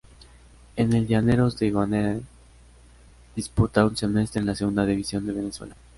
En el Llaneros de Guanare disputa un semestre en la Segunda División de Venezuela.